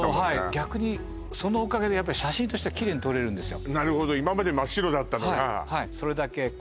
逆にそのおかげで写真としてはきれいに撮れるんですよ